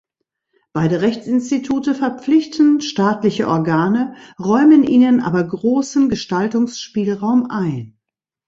Beide Rechtsinstitute verpflichten staatliche Organe, räumen ihnen aber großen Gestaltungsspielraum ein.